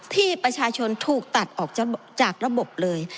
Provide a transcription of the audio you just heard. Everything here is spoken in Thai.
ที่ประชาชนถูกตัดออกจากระบบเลย